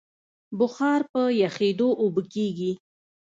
بخار په یخېدو اوبه کېږي.